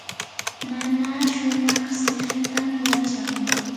nana shumaq siqitam yachan.